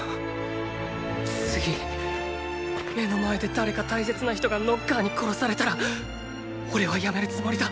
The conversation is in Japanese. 次目の前で誰か大切な人がノッカーに殺されたらおれはやめるつもりだ。